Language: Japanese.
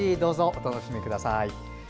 お試しください。